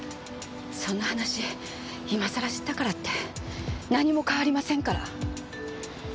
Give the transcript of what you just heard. そんな話今さら知ったからって何も変わりませんから。